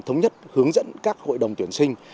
thống nhất hướng dẫn các hội đồng tuyển sinh